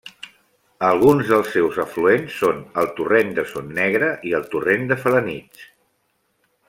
Alguns dels seus afluents són el torrent de Son Negre i el torrent de Felanitx.